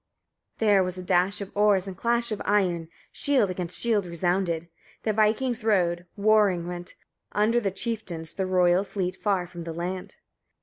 27. There was a dash of oars, and clash of iron, shield against shield resounded: the vikings rowed; roaring went, under the chieftains the royal fleet far from the land.